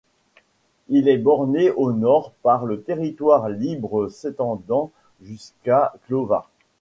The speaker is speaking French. Elle est bornée au nord par le territoire libre s'étendant jusqu'à Clova.